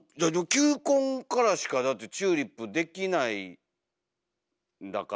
球根からしかだってチューリップできないんだから。